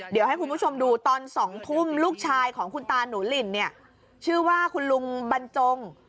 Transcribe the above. เดี๋ยวให้คุณผู้ชมดูตอน๒ทุ่มลูกชายของคุณตาหนูหลินเนี่ยชื่อว่าคุณลุงบรรจง